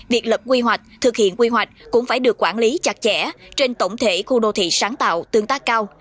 việc lập quy hoạch thực hiện quy hoạch cũng phải được quản lý chặt chẽ trên tổng thể khu đô thị sáng tạo tương tác cao